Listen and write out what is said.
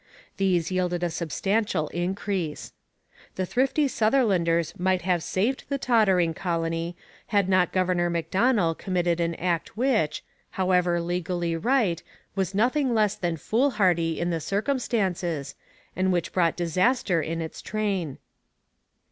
These yielded a substantial increase. The thrifty Sutherlanders might have saved the tottering colony, had not Governor Macdonell committed an act which, however legally right, was nothing less than foolhardy in the circumstances, and which brought disaster in its train.